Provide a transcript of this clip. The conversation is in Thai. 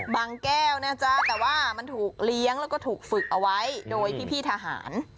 แก้วนะจ๊ะแต่ว่ามันถูกเลี้ยงแล้วก็ถูกฝึกเอาไว้โดยพี่ทหาร